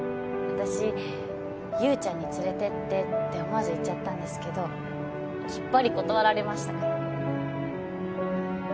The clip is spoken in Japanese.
私優ちゃんに連れてってって思わず言っちゃったんですけどきっぱり断られましたから。